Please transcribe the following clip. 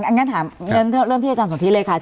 งั้นถามเริ่มที่อาจารย์สนทิเลยค่ะ